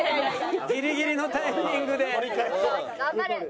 ギリギリのタイミングで。